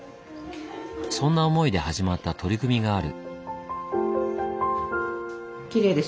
そんな思いで始まった取り組みがある。